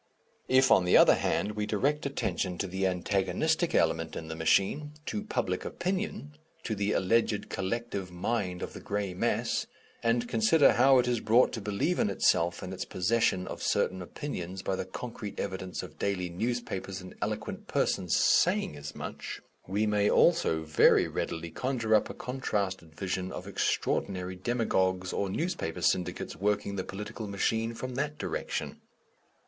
If, on the other hand, we direct attention to the antagonistic element in the machine, to Public Opinion, to the alleged collective mind of the grey mass, and consider how it is brought to believe in itself and its possession of certain opinions by the concrete evidence of daily newspapers and eloquent persons saying as much, we may also very readily conjure up a contrasted vision of extraordinary demagogues or newspaper syndicates working the political machine from that direction.